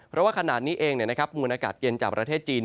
เพราะว่าขนาดนี้เองมูลอากาศเย็นจากประเทศจีน